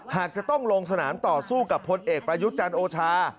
หากจะต้องลงสนามต่อสู้กับพลเอกประยุทธ์จันทร์โอชา